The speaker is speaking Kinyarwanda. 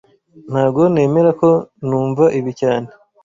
Ntago nemera ko numva ibi cyane